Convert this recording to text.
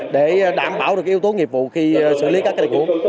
để đảm bảo được yếu tố nghiệp vụ khi xử lý các kỹ năng